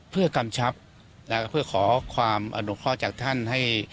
เพื่อกำชับและเพื่อขอความอนุคลอดจากท่านให้